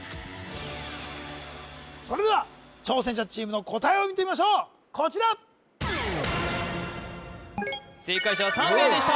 それでは挑戦者チームの答えを見てみましょうこちら正解者は３名でした